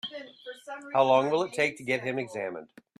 How long will it take to get him examined?